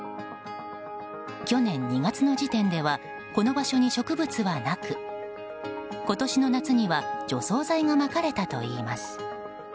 去年２月の時点ではこの場所に植物はなく今年の夏には除草剤がまかれたといいます。